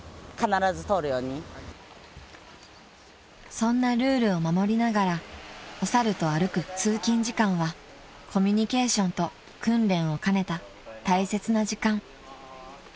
［そんなルールを守りながらお猿と歩く通勤時間はコミュニケーションと訓練を兼ねた大切な時間］